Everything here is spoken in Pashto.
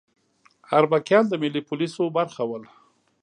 اربکیان د ملي پولیسو برخه ول